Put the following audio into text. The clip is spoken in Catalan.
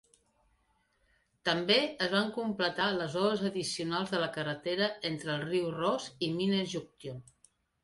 També es van completar les obres addicionals de la carretera entre el riu Ross i Miner Junction.